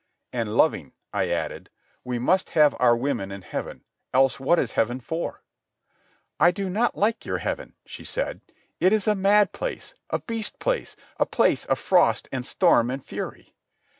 "And loving," I added. "We must have our women in heaven, else what is heaven for?" "I do not like your heaven," she said. "It is a mad place, a beast place, a place of frost and storm and fury."